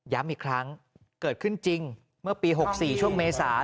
อีกครั้งเกิดขึ้นจริงเมื่อปี๖๔ช่วงเมษา